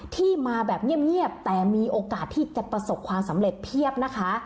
ที่มาแบบเงียบแต่มีโอกาสที่จะประสบความสำเร็จเพียบนะคะ